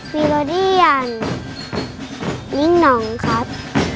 วิโรดียันลิ้งหน่องครับ